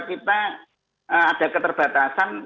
kita ada keterbatasan